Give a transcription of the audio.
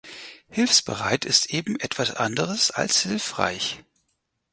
Hilfsbereit ist eben etwas anderes als hilfreich.